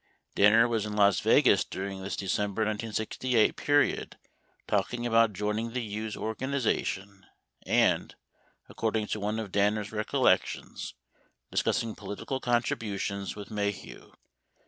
— Danner was in Las Vegas during this December 1968 period talk ing about joining the Hughes organization and, according to one of Danner's recollections, discussing political contributions with Maheu.